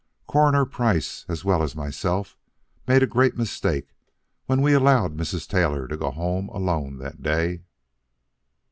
Coroner Price as well as myself made a great mistake when we allowed Mrs. Taylor to go home alone that day."